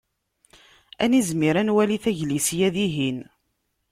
Ad nizmir ad nwali taglisya dihin.